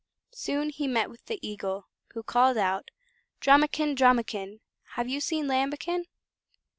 Soon he met with the Eagle, who called out: "Drumikin! Drumikin! Have you seen Lambikin?"